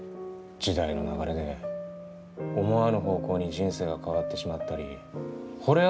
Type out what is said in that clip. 時代の流れで思わぬ方向に人生が変わってしまったりほれ